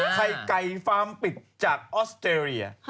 ไข่ไก่ฟาร์มปิดจากออสเตรเลีย